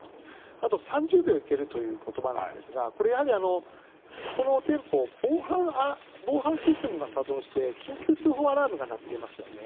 あと、３０秒いけるという言葉なんですがこれ、この店舗防犯システムが作動して緊急通報アラームが鳴っていますよね。